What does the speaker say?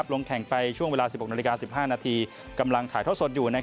ลงแข่งไปช่วงเวลา๑๖นาฬิกา๑๕นาทีกำลังถ่ายท่อสดอยู่